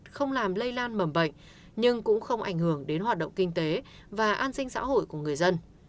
không làm lây lan mầm bệnh nhưng cũng không ảnh hưởng đến hoạt động kinh tế và an sinh xã hội của người dân